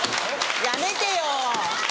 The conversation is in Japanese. やめてよ！